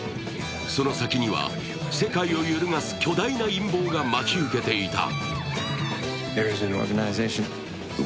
その先には世界を揺るがす巨大な陰謀が待ち受けていた。